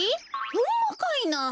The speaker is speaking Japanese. ほんまかいな？